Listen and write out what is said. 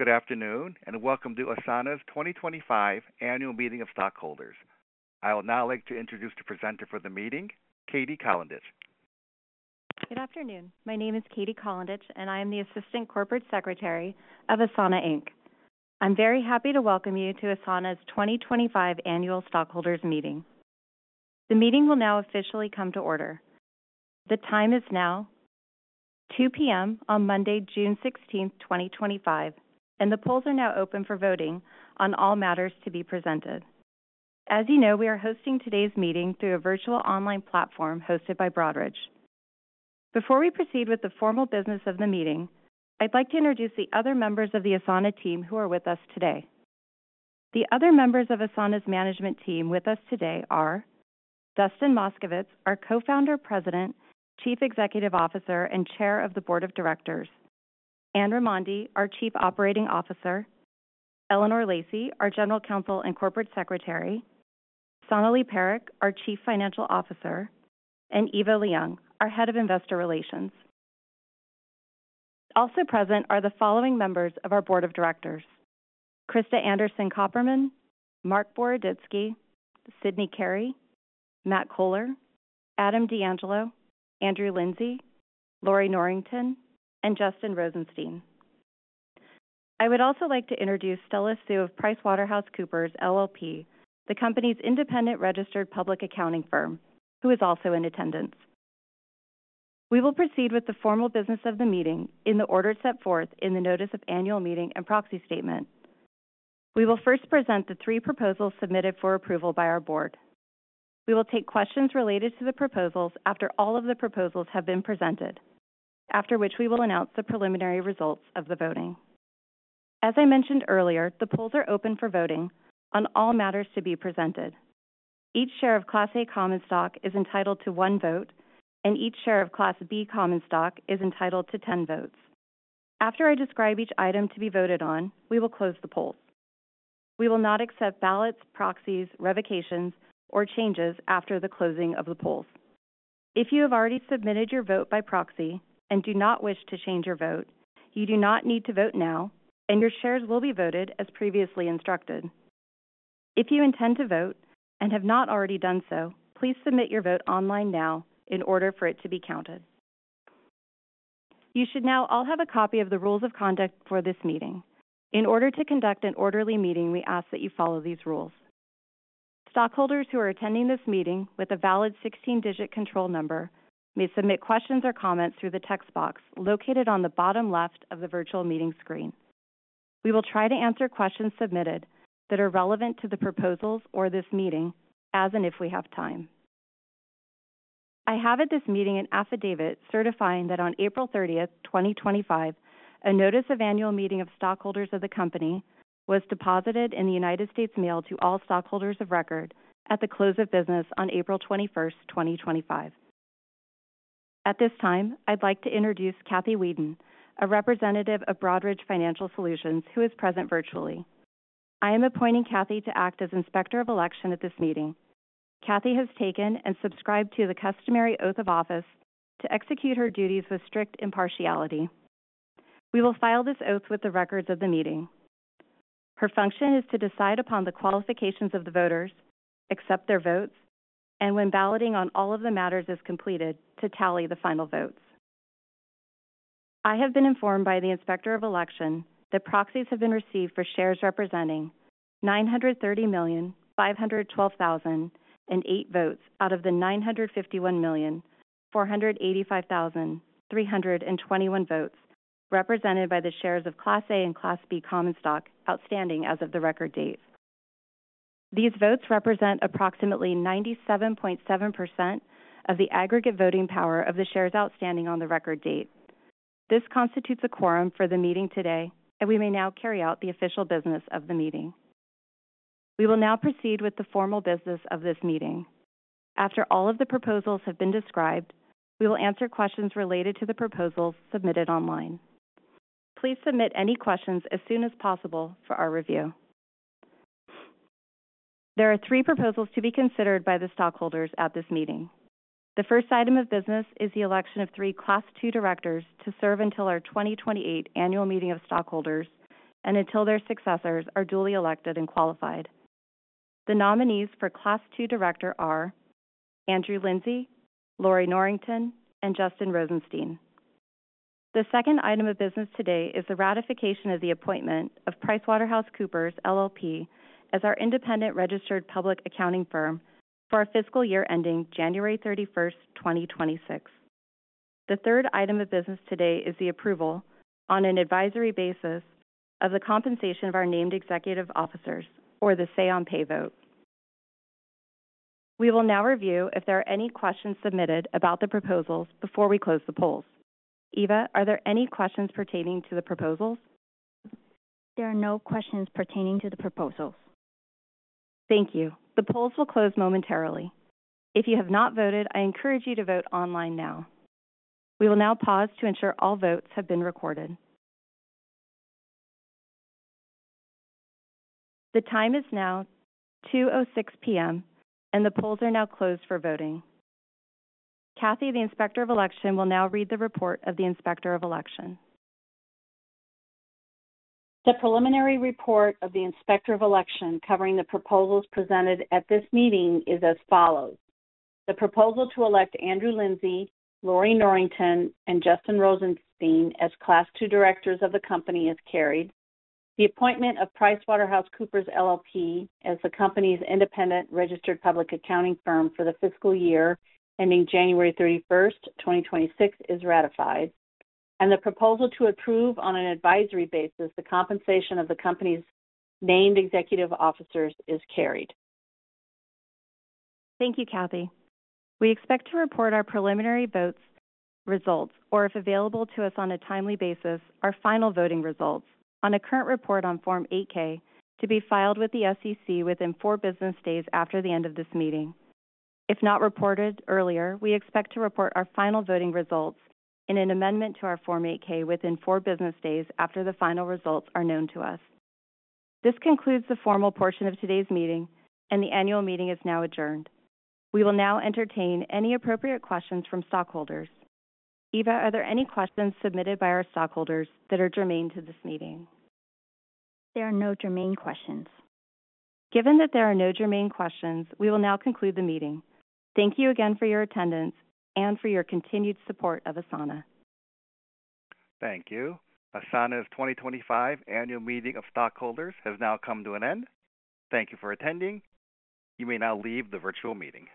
Good afternoon and welcome to Asana's 2025 Annual Meeting of Stockholders. I would now like to introduce the presenter for the meeting, Katie Colendich. Good afternoon. My name is Katie Colendich, and I am the Assistant Corporate Secretary of Asana Inc. I'm very happy to welcome you to Asana's 2025 Annual Stockholders Meeting. The meeting will now officially come to order. The time is now 2:00 P.M. on Monday, June 16th, 2025, and the polls are now open for voting on all matters to be presented. As you know, we are hosting today's meeting through a virtual online platform hosted by Broadridge. Before we proceed with the formal business of the meeting, I'd like to introduce the other members of the Asana team who are with us today. The other members of Asana's management team with us today are Dustin Moskovitz, our Co-founder, President, Chief Executive Officer, and Chair of the Board of Directors, Anne Raimondi, our Chief Operating Officer, Eleanor Lacey, our General Counsel and Corporate Secretary, Sonalee Parekh, our Chief Financial Officer, and Eva Leung, our Head of Investor Relations. Also present are the following members of our Board of Directors: Krista Anderson-Kopperman, Marc Boroditsky, Sydney Carey, Matt Cohler, Adam D'Angelo, Andrew Lindsay, Lorrie Norrington, and Justin Rosenstein. I would also like to introduce Stella Su of PricewaterhouseCoopers LLP, the company's independent registered public accounting firm, who is also in attendance. We will proceed with the formal business of the meeting in the order set forth in the Notice of Annual Meeting and Proxy Statement. We will first present the three proposals submitted for approval by our board. We will take questions related to the proposals after all of the proposals have been presented, after which we will announce the preliminary results of the voting. As I mentioned earlier, the polls are open for voting on all matters to be presented. Each share of Class A Common Stock is entitled to one vote, and each share of Class B Common Stock is entitled to ten votes. After I describe each item to be voted on, we will close the polls. We will not accept ballots, proxies, revocations, or changes after the closing of the polls. If you have already submitted your vote by proxy and do not wish to change your vote, you do not need to vote now, and your shares will be voted as previously instructed. If you intend to vote and have not already done so, please submit your vote online now in order for it to be counted. You should now all have a copy of the Rules of Conduct for this meeting. In order to conduct an orderly meeting, we ask that you follow these rules. Stockholders who are attending this meeting with a valid 16-digit control number may submit questions or comments through the text box located on the bottom left of the virtual meeting screen. We will try to answer questions submitted that are relevant to the proposals or this meeting as and if we have time. I have at this meeting an affidavit certifying that on April 30th, 2025, a Notice of Annual Meeting of Stockholders of the Company was deposited in the United States Mail to all stockholders of record at the close of business on April 21st, 2025. At this time, I'd like to introduce Kathy Weeden, a representative of Broadridge Financial Solutions, who is present virtually. I am appointing Kathy to act as Inspector of Election at this meeting. Kathy has taken and subscribed to the customary oath of office to execute her duties with strict impartiality. We will file this oath with the records of the meeting. Her function is to decide upon the qualifications of the voters, accept their votes, and when balloting on all of the matters is completed, to tally the final votes. I have been informed by the Inspector of Election that proxies have been received for shares representing 930,512,008 votes out of the 951,485,321 votes represented by the shares of Class A and Class B Common Stock outstanding as of the record date. These votes represent approximately 97.7% of the aggregate voting power of the shares outstanding on the record date. This constitutes a quorum for the meeting today, and we may now carry out the official business of the meeting. We will now proceed with the formal business of this meeting. After all of the proposals have been described, we will answer questions related to the proposals submitted online. Please submit any questions as soon as possible for our review. There are three proposals to be considered by the stockholders at this meeting. The first item of business is the election of three Class 2 directors to serve until our 2028 Annual Meeting of Stockholders and until their successors are duly elected and qualified. The nominees for Class 2 director are Andrew Lindsay, Lorrie Norrington, and Justin Rosenstein. The second item of business today is the ratification of the appointment of PricewaterhouseCoopers LLP as our independent registered public accounting firm for our fiscal year ending January 31, 2026. The third item of business today is the approval on an advisory basis of the compensation of our named executive officers, or the say-on-pay vote. We will now review if there are any questions submitted about the proposals before we close the polls. Eva, are there any questions pertaining to the proposals? There are no questions pertaining to the proposals. Thank you. The polls will close momentarily. If you have not voted, I encourage you to vote online now. We will now pause to ensure all votes have been recorded. The time is now 2:06 P.M., and the polls are now closed for voting. Kathy, the Inspector of Election, will now read the report of the Inspector of Election. The preliminary report of the Inspector of Election covering the proposals presented at this meeting is as follows: The proposal to elect Andrew Lindsay, Lorrie Norrington, and Justin Rosenstein as Class 2 directors of the company is carried. The appointment of PricewaterhouseCoopers LLP as the company's independent registered public accounting firm for the fiscal year ending January 31st, 2026, is ratified. The proposal to approve on an advisory basis the compensation of the company's named executive officers is carried. Thank you, Kathy. We expect to report our preliminary votes results, or if available to us on a timely basis, our final voting results on a current report on Form 8-K to be filed with the SEC within four business days after the end of this meeting. If not reported earlier, we expect to report our final voting results in an amendment to our Form 8-K within four business days after the final results are known to us. This concludes the formal portion of today's meeting, and the annual meeting is now adjourned. We will now entertain any appropriate questions from stockholders. Eva, are there any questions submitted by our stockholders that are germane to this meeting? There are no germane questions. Given that there are no germane questions, we will now conclude the meeting. Thank you again for your attendance and for your continued support of Asana. Thank you. Asana's 2025 Annual Meeting of Stockholders has now come to an end. Thank you for attending. You may now leave the virtual meeting.